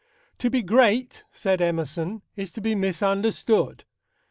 To be great, said Emerson, is to be misunderstood.